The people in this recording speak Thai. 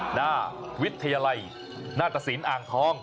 หน้าวิทยาลัยหน้าตสินอ่างทอง